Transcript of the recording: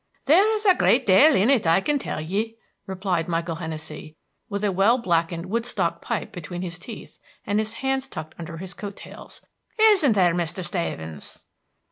"Ther' 's a great dale in it, I can tell ye," replied Michael Hennessey, with a well blackened Woodstock pipe between his teeth and his hands tucked under his coat tails. "Isn't ther', Misther Stavens?"